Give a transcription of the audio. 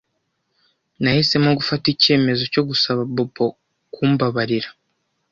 Nahisemo gufata icyemezo cyo gusaba Bobo kumbabarira.